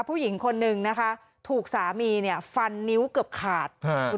ผู้หญิงคนหนึ่งถูกสามีฟันนิ้วเกือบขาด